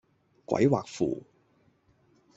鬼畫符